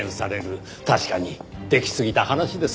確かにできすぎた話です。